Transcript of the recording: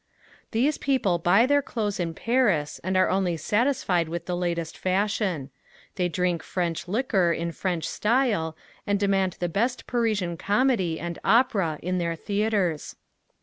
These people buy their clothes in Paris and are only satisfied with the latest fashion. They drink French liquor in French style and demand the best Parisian comedy and opera in their theaters.